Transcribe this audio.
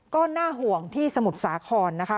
ก็น่าห่วงที่สมุทรสาครนะคะ